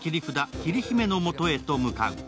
桐姫のもとへと向かう。